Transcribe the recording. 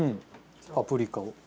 パプリカを。